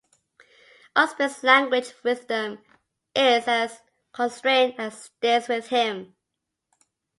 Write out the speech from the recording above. Usbek's language with them is as constrained as theirs with him.